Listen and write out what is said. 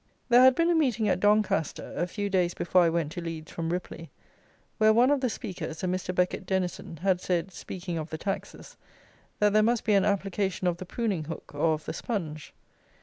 There had been a meeting at Doncaster, a few days before I went to Leeds from Ripley, where one of the speakers, a Mr. Becket Denison, had said, speaking of the taxes, that there must be an application of the pruning hook or of the sponge.